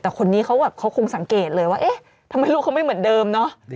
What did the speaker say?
แต่คนนี้เขาแบบเขาคงสังเกตเลยว่าเอ๊ะทำไมลูกเขาไม่เหมือนเดิมเนอะ